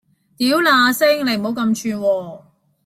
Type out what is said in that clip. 挑那星！你唔好咁串喎